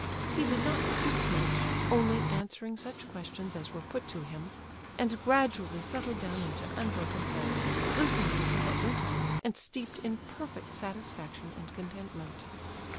He did not speak much, only answering such questions as were put to him, and gradually settled down into unbroken silence, listening to what went on, and steeped in perfect satisfaction and contentment.